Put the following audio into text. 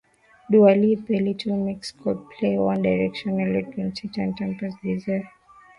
Dua Lipa Little Mix Coldplay One Direction Ellie Goulding Tinie Tempah Dizzee